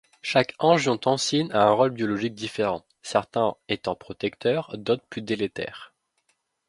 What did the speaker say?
Chaque angiotensine a un rôle biologique différent, certains étant protecteurs, d'autres plus délétères.